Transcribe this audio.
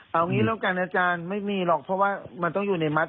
เอางี้แล้วกันอาจารย์ไม่มีหรอกเพราะว่ามันต้องอยู่ในมัด